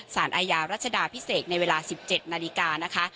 สารอาญารัชดาพิเศษในเวลา๑๗นาฬิกานะคะ